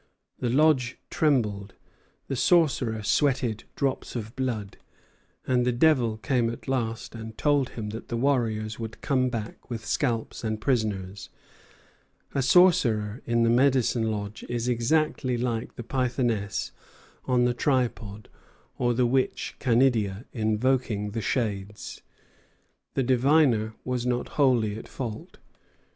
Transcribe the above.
The lodge trembled, the sorcerer sweated drops of blood, and the devil came at last and told him that the warriors would come back with scalps and prisoners. A sorcerer in the medicine lodge is exactly like the Pythoness on the tripod or the witch Canidia invoking the shades." The diviner was not wholly at fault.